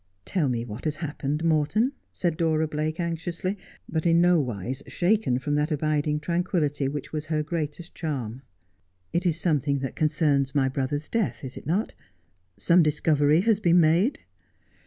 'Tell me what has happened, Morton,' said Dora Blake anxiously, but in no wise shaken from that abiding tranquility which was her greatest charm. ' It is something that concerns my brother's death, is it not ? Some discovery has been made.'